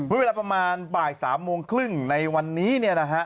เวลาประมาณบ่ายสามโมงครึ่งในวันนี้นะฮะ